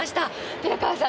寺川さん